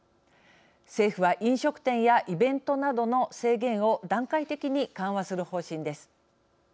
政府は飲食店やイベントなどの制限を段階的に緩和する方針です。